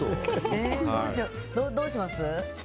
どうします？